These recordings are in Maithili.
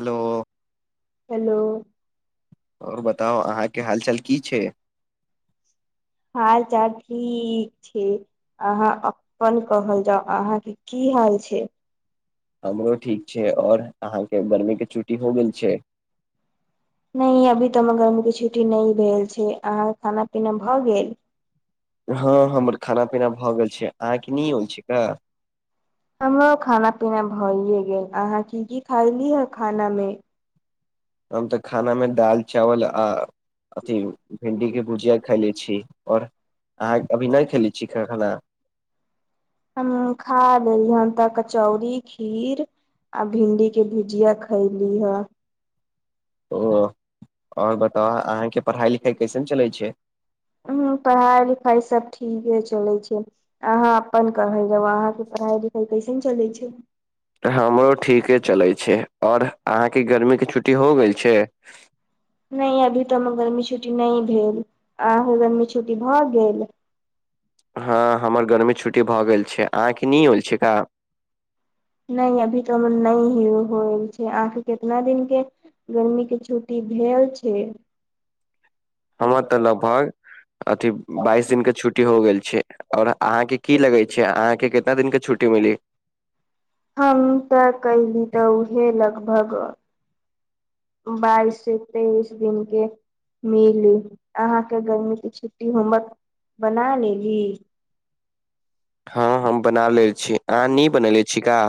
हेलो, हेलो आओर बताउ अहाँके हाल-चाल की छै। हाल-चाल ठीक छै। अहाँ अपन कहल जाउ, अहाँके की हाल छै। हमरो ठीक छै, और अहाँके गर्मी के छुट्टी हो गेल छै। नहि अभी तऽ हमर गर्मी के छुट्टी नइ भेल छै, अहाँके खाना-पीना भऽ गेल। हँ हमर खाना-पीना भऽ गेल छै, अहांक नै होइ छै का। हमरो खाना-पीना भइये गेल, अहाँ की-की खेलीयै हें खाना में। हम तऽ खाना में दालि-चावल आ अथी भिंडी के भुजिया खायले छी। और अहाँ अभी नहि खेले छी खा खाना। हमहूं खा लेलीयै, हम तऽ कचौड़ी खीर। आ भिन्डी के भुजिया खयली हऽ। ओ आओर बताओ अहाँके पढ़ाई-लिखाई कैसन चलै छै। हूं पढ़ाई-लिखाइ सब ठीके चलै छै। अहाँ अपन कहल जाउ अहाँ के पढ़ाई-लिखाई कैसन चलै छै। हमरो ठीके चलै छै, और अहाँ के गर्मी के छुट्टी हो गेल छैय। नै अभी तऽ हमर गर्मी छुट्टी नै भेल, अहाँके गर्मी छुट्टी भऽ गेल। हँ हमर गरमी छुट्टी भऽ गेल छै, आहाँ के नै होल छैय का। नै अभी तऽ हमर नैय होल छै, आहाँ के केतना दिन के। गर्मी के छुट्टी भेल छैय। हमर तऽ लगभग अथी बाइस दिन के छुट। छुट्टी हो गेल छै, और आहाँ के की लगेै छै अहाँ के केतना दिन के छुट्टी मिली। हम तऽ कही तऽ उहे लगभग। बईस से तैइस दिन के। मिली, अहाँ के गर्मी के छुट्टी होमवर्क बना लेली। हँ हम बना लेल छी, अहाँ नै बनेले छी का।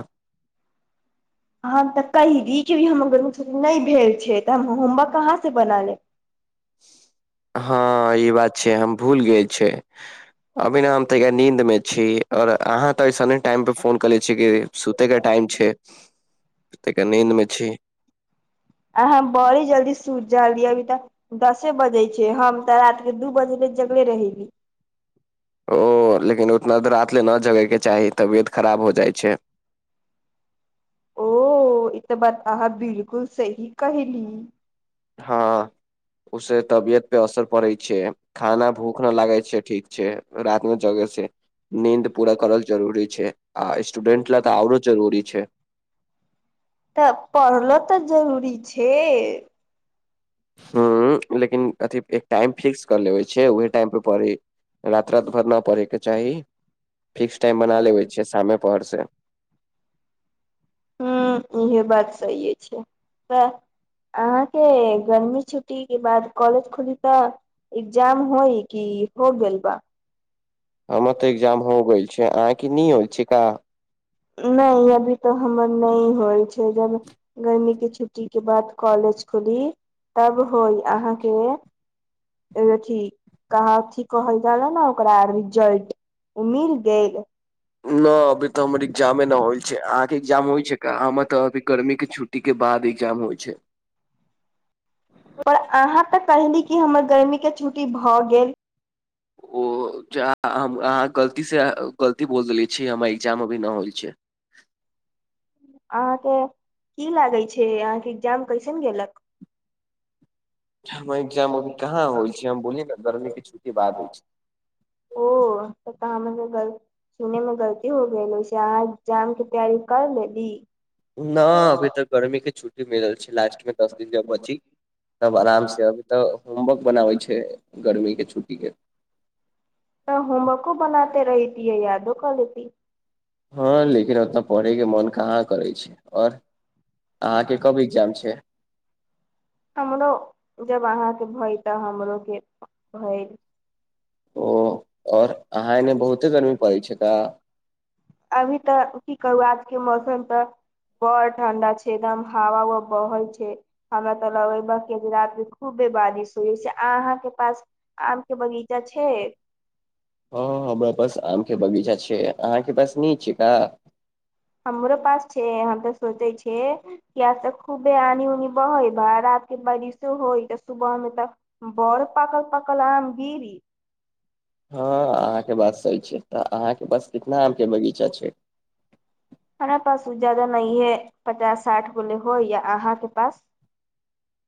हम तऽ कैह दी कि भी हमर गरमी छुट्टी नै भेल छै, तऽ हम होमवर्क कहाँ से बना लेब। हँ ई बात छैय, हम भूल गेल छै। अबी ना हम तऽ गैऽ नीन्द में छी। और आहाँ तऽ अइसने टाइम पे फोन कले छी कि, सुतै के टाइम छै। तै के नीन्द में छी। आहाँ बऽड़ी जल्दी सूत जाली यै अभी तऽ। दसे बजे छै, हम तऽ रात के दू बजे ले जगले रहेली। ओ लेकिन उतना देर रात ले न जगे के चाही, तबियत खराब हो जाइ छै। ओ ई तऽ बात आहाँ बिल्कुल सही कहेली। हँ, उसे तबियत पे असर पड़ै छै। खाना भूख न लागै छै, ठीक छै, रात में जगे से। नींद पूरा करल जरूरी छैय, आ स्टूडेंट लैऽ तऽ औरो जरूरी छैय। तऽ पढ़लो तऽ जरूरी छेय? ह्म्म, लेकिन अथि एक टाइम फिक्स कऽ लेबै छै, उहे टाइम पे परहि। रात-रात भर न परहे के चाही, फिक्स टाइम बना लेबे छियै, शामे पहर से। हूँ, इहे बात सहिये छै, तऽ? आहाँ के गर्मी छुट्टी के बाद कॉलेज खुली तऽ इग्जाम होई कि हो गेल बा? हमर तऽ इग्जाम हो गइल छै, आहाँ के नै होय छै का? नै, अभी तऽ हमर नै होय छै, जब गर्मी के छुट् टी के बाद कॉलेज खुली तब होई, आहाँ के? अऽ-थी कहाँ थी कहल जाला न ओकरा? रिजल्ट उ मील गेल? न अबी तऽ हमर इग्जामे न होइल छै, आहाँ के इग्जाम होइ छै का? हमर तऽ अबी गर्मी के छुट्टी के बाद इग्जाम होय छै। पर आहाँ तऽ कैहली कि हमर गर्मी के छुट्टी भऽ गेल। ओ जा अहाँ-आहाँ गलती से गलती बोल देलियै। छी हमर इक्जाम अभी न होइल छैय। आहाँ के की लागै छै? आहाँ के इग्जाम कैसन गेलक? हमर इग्जाम अभी कहाँ होय छै? हम बोलियै न गर्मी के छुट्टी बाद होय छैय। ओ तब तऽ आहाँ मैनलिय गल सुने में गलती हो गेल हो छै, आहाँ इग्जाम के तैयारी कर लेली? ना, अभी तऽ गर्मी के छुट्टी मिलल छै, लास्ट में दस दिन जब बची तब आराम से अब तऽ होमवर्क बनाबै छैय, गर्मी के छुट्टी के। तऽ होमवको बनाते रहीतियै, यादो कऽ लैती। हँ लेकिन ओतऽ परहै के मन कहाँ करै छै? और आहाँ के कब जाम छै? हमरो जब अहाँके भैय तऽ हमरो के होइत। ओ, और अहाँ एने बहुते गर्मी पड़ै छै का? अभी तऽ की करू? आजके मौसम तऽ बड़ ठण्डा छै, एकदम हावा उवा बहै छै। हमरा तऽ लगैल के जे रात खूबे बारिश होइ छै, अहाँके पास आम के बगीचा छैय? हँ, हमरा पास आम के बगीचा छै। अहाँ के पास नैय छै? का हमरो पास छै। हम तऽ सोचै छेए किये तऽ खूबे आनी-उनी बहय, बा राति के बारिस होइतऽ सुबह मे तऽ बड़ पाकल-पाकल आम गीरी। हँ अहाँके बात सही छै, तऽ अहाँके पास कितना आम के बगीचा छै? हमरा पास उ जादा नहीए, पचास साठ गोले होय, या अहाँ के पास?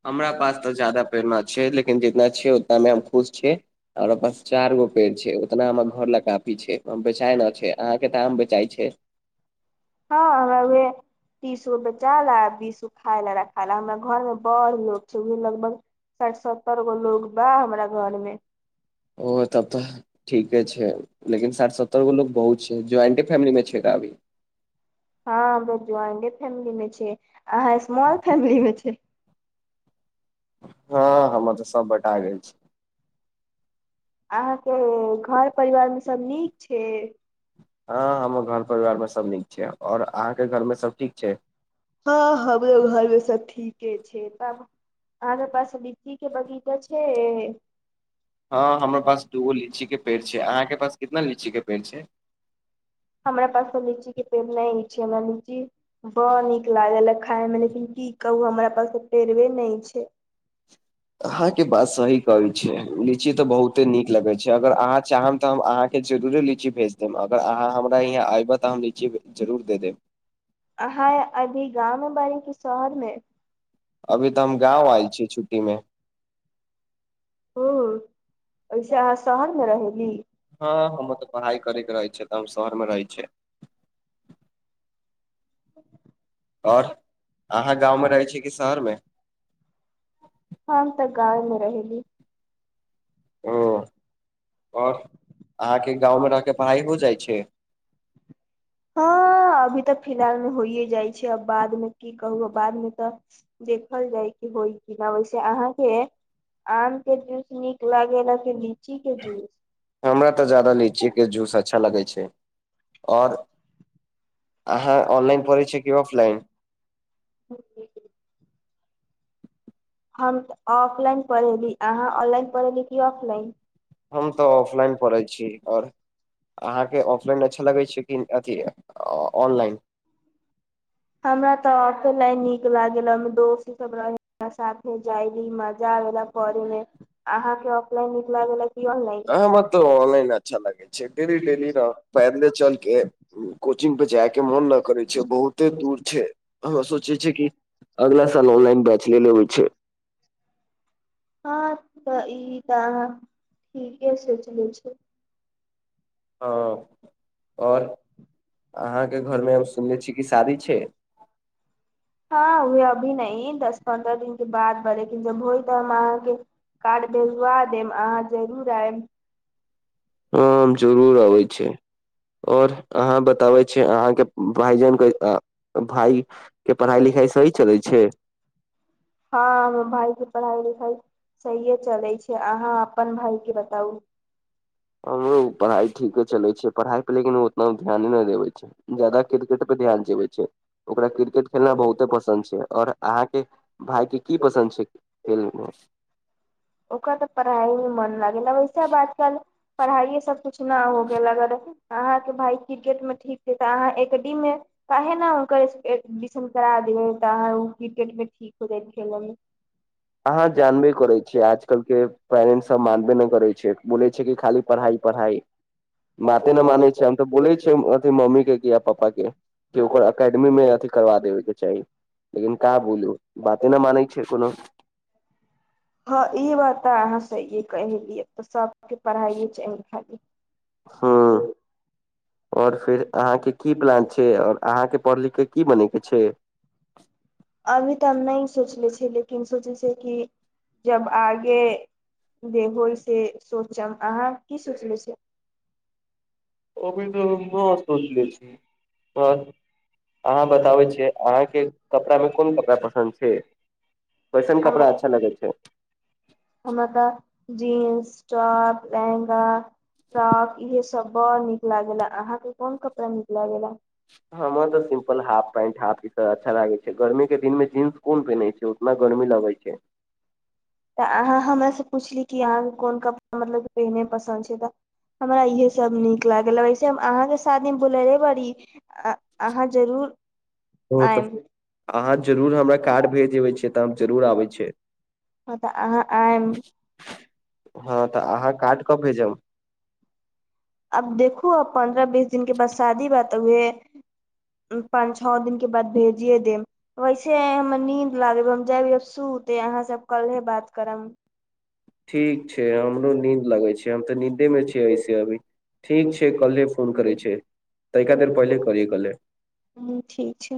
हमरा पास तऽ जादा पेड़ ना छै, लेकिन जितना छै, उतना मे हम खुश छियै। हमरा पास चार गो पेड़ छै, ओतना हमर घर लऽ काफी छै, बेचाय नय छै, अहाँके तऽ आम बेचाई छै। ह हमरा बे तीस गो बेचाय लेल, बीस गो खाय लेल, रखाल। हमरा घर मे बड़ लोग छै, लगभग सैठ सत्तर गो लोग बा हमरा घर मे। ओ तब तऽ ठीके छै, लेकिन साठ सत्तर गो लोग बहुत छै, ज्वाइंटे फैमिलीमे छियै न अभी। हँ हम ज्वाइंटे फैमिली में छी, अहाँ स्मॉल फैमिली में छी। हँ हमर तऽ सब बटा गेल छै। अहाँके घर परिवार मे सभ नीक छै। हँ हमर घर परिवार मे सब नीक छै। और अहाँके घर मे सब ठीक छै? हँ हमरो घरमे सब ठीके छै। अहाँ के पास लीची के बगीचा छै। हँ हमरा पास दूगो लीची के पेड़ छै। अहाँके पास कितना लीची के पेड़ छै? हमरा पास तऽ लीची के पेड़ नै छै। हमरा लीची बड़ नीक लागल खाय मे, लेकिन की कहूँ हमरा पास तऽ पेड़वे नै छै। अहाँ के बात सही कहय छिये। लीची तऽ बहुत ओते नीक लगै छै। अगर अहाँ चाहब तऽ हम अहाँके जरुरे लीची भेज देब, अगर अहाँ हमरा यहाँ एबै तऽ हम लीची जरूर दे देब। अहाँ अभी गाँंव मे बारी कि शहर मे? अभी तऽ हम गाँंव आयल छी छुट्टी में। हुं अच्छा अहाँ शहर मे रहेली। हँ हमर तऽ पढ़ाई करय के रहय छै तऽ हम शहर मे रहै छियै। [inaudible] और अहाँ गाँवमे रहै छी कि शहरमे? हम तऽ गांव में रहय छी। हु और अहाँके गाँवमे रहऽके पढ़ाइ हो जाइ छै? हँ अभी तऽ फिलहाल मे होइए जाइ छै। आब बाद मे की कहू बाद मे तऽ देखल जाय कि होइ। वैसे अहाँके आम के जूस नीक लागे ल की लीची के जूस। हमरा तऽ ज्यादा लीची के जूस अच्छा लागै छै। और अहाँ ऑनलाइन पढय छियै की ऑफलाइन। हम त ऑफलाइन पढ़य रही। आहाँ ऑनलाइन पढ़य लि की ऑफलाइन? हम तऽ ऑफलाइन पढ़ै छी, और अहाँके ऑफलाइन अच्छा लगय छै कि अथि ऑनलाइन हमरा तऽ ऑफेलाइन नीक लागेल, ओहिमे दोस्त सब रहल। साथ मे जाय रही, मजा आबेला पढ़ेमे। अहाँके ऑफलाइन निक लागेल की हमरा तऽ ऑनलाइन अच्छा लागै छै। डेली डेली न पैदले चलके कोचिंग पे जायके मुन न करै छै बहुते दूर छै। हाॅ सोचे छी कि, अगला साल ऑनलाइन बैच ले लेबैय छै। हँ तऽ ई तऽ आहाॅ ठीके सोइच लैय छी। हँ और। अहाँके घरमे हम सुननेे छी कि शादी छै? हँ वैए अभी नहि दस पन्द्रह दिन के बाद। हॅ रेकिन जब होय त हम अहाँके कार्ड भेजवा देब अहाँ जरूर आयब। हँ हम जरूर अबै छी। और अहाँ बताबै छी, अहाँके भाइजन कै -अ- भाइ के पढ़ाई लिखाई सही चलैय छै। हँ हमर भाई के पढ़ाई -लिखाई सहिये चलै छै अहाँ अप्पन भाय के बताउ? हमरो पढ़ाई ठीके चलै छै। पढ़ाई पर लेकिन ओ नय ध्याने नय देबे छै। जादा क्रिकेट पे ध्यान जेबय छै। ओकरा क्रिकेट खेलना बहुत्ते पसन्द छै और अहाँके? भाय के की पसन्द छै? खेल मे? ओकर तऽ पढ़ाईये मन लागे न वैसा आज कल पढ़ाइये सब कुछ न हो गेल अगर अहाँ के भाई क्रिकेट मे ठीक छै तऽ अहाँ एकडीमे काहे न हुनकर एस एडमिशन करा दिहि तऽ अहाँ ओ क्रिकेट मे ठीक कि खोजैत छय मम्मी अहाँ जानबे करै छीयै आज कलकै पेरेंटस सब मानबे नय करे छै, बोले छै कि खाली पढ़ाई -पढ़ाई। बाते नय माने छै, हम त बोलै छी। तैय अथि मम्मी के या पापा के के ओकर एकेडमी मे अथि करबा देबे के चाही। लेकिन का बोलु? बाते नय मानै छै कोनो। हँ ई बात त अहाँ सहीयै कहिलिये सबके पढ़ाइेये चाहि खाली। हूँ हुं और फिर अहाँ के की प्लान छै? और अहाँ के पढ़ लिख के की बनय के छै? अभी तऽ हम नहि सोचले छियै लेकिन सोचै छीयै कि जब आगे। जे होय से सोचब। अहाँ की सोचले छियै? अभी तऽ हम ना सोचले छी। आंय अहाँ बताबै छियै अहाँ के कपड़ा में कोन कपड़ा पसन्द छे? कैसन कपड़ा अच्छा लगै छी छै? हमरा तऽ जींस, टॉप, लेहंगा फ्रॉक। इहे सब बड़ नीक लागेला। अहांके कोन कपड़ा नीक लागेला? हमर तऽ simple half pant, half T-shirt अच्छा लागै छै। गर्मीे के दिन मे जींस कोन पैनै छै ओ ना गर्मी लगै छै। तऽ अहाँ हमरा सँ पुछली कि अहाँके कोन कप मतलब पहिनै पसन्द छै तऽ हमरा इहे सभ नीक लागल। वैसे हम अहाँके शादी मे बुलेरै बरी। आं- अहाँ जरूर ओ तऽ आय्म। अहाँ जरूर हमरा कार्ड भेजबै छै तऽ हम जरूर आबै छै। हँ तऽ अहाँ आय्म। हँ तऽ अहाँ कार्ड कब भेजब? आब देखू अ- पन्द्रह बीस दिन के बाद शादी बातुएऽ पाँच- छदिन के बाद भेजिए देब। वैसे हमर नीद लागेबा हम जैबियो् सुते। अहाँ सब कल्हे बात करब। ठीक छै हमरो नींद लगै छै। हम तऽ नींदे मे छै ऐसे अभी। ठीक छै कल्हे फोन करै छै। तैका देर पहिले करी कल्हे। ठीक छै